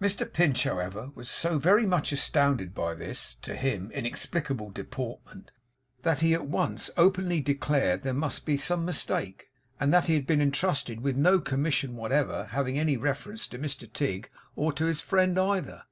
Mr Pinch, however, was so very much astounded by this (to him) inexplicable deportment, that he at once openly declared there must be some mistake, and that he had been entrusted with no commission whatever having any reference to Mr Tigg or to his friend, either.